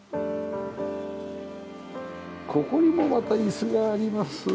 ここにもまた椅子があります。